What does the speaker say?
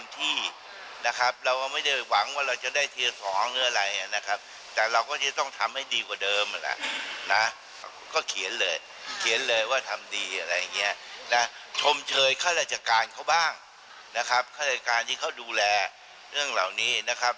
ตำรวจนะครับพวกค้ามนุษย์พวกไรพวกนี้นะครับ